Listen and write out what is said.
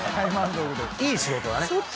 いい仕事だね。